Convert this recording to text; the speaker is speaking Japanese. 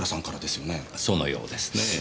そのようですねぇ。